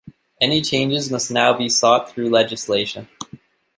Any changes must now be sought through legislation.